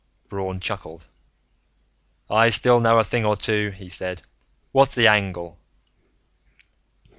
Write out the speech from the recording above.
Braun chuckled. "I still know a thing or two," he said. "What's the angle?"